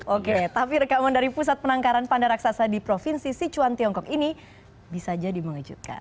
oke tapi rekaman dari pusat penangkaran panda raksasa di provinsi sichuan tiongkok ini bisa jadi mengejutkan